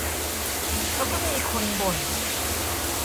แล้วก็มีคนบ่น